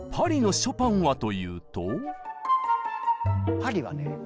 パリはね